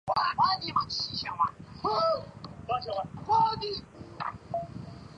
以女孩子憧憬的演艺界和服装设计两种行业为题材的作品很受欢迎。